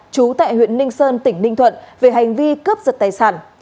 trú tại huyện ninh sơn tỉnh ninh thuận về hành vi cướp giật tài sản